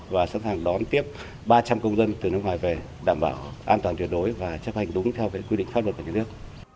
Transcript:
và sẵn sàng đón tiếp ba trăm linh công dân từ nước ngoài về đảm bảo an toàn tuyệt đối và chấp hành đúng theo quy định pháp luật của nhà nước